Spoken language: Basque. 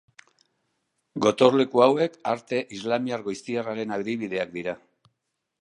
Gotorleku hauek arte islamiar goiztiarraren adibideak dira.